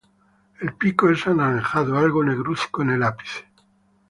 El pico es anaranjado, algo negruzco en el ápice.